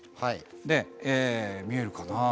で見えるかな？